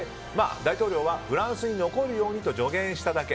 大統領は、フランスに残るようにと助言しただけ。